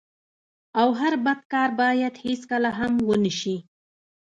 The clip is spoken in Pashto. او هر بد کار بايد هيڅکله هم و نه سي.